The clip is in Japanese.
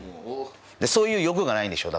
そういう欲がないんでしょ？